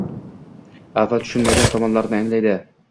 avval tushunmagan tomonlarini anglaydi.